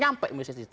tapi itu tidak sampai